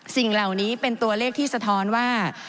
สิ่งเหล่านี้เป็นตัวเลขที่สะท้อนว่า